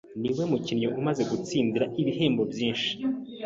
Niwe mukinnyi umaze gutsindira ibyo bihembo